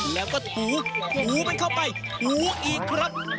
แล้วก็ถูถูมันเข้าไปถูอีกครับ